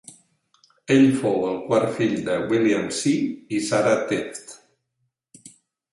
Ell fou el quart fill de William C. i Sarah Tefft.